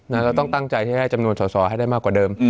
เราก็ต้องตั้งใจให้มีจำนวนสอสอได้มากกว่าเดิม